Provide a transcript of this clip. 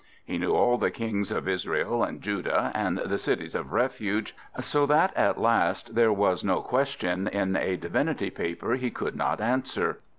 He knew all the kings of Israel and Judah, and the cities of refuge, so that at last there was no question in a divinity paper he could not answer.